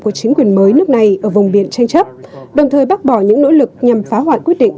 của chính quyền mới nước này ở vùng biển tranh chấp đồng thời bác bỏ những nỗ lực nhằm phá hoại quyết định